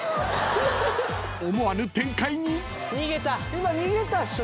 思わぬ展開に。